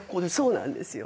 そうなんですよ。